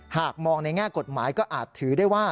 หากมองในแง่กฎหมายก็อาจถือได้ว่า